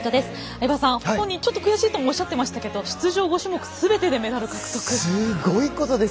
相葉さん、本人ちょっと悔しいとも、おっしゃっていましたが、出場５種目すごいことです。